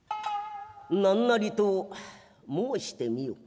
「何なりと申してみよ」。